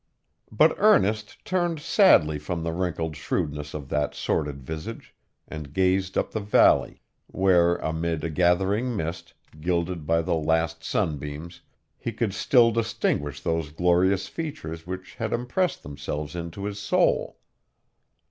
But Ernest turned sadly from the wrinkled shrewdness of that sordid visage, and gazed up the valley, where, amid a gathering mist, gilded by the last sunbeams, he could still distinguish those glorious features which had impressed themselves into his soul.